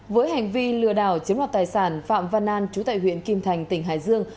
với hành vi lừa đảo chiếm lọt tài sản phạm văn an chủ tệ huyện kim thành tỉnh hải dương